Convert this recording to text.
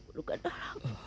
aku luka darah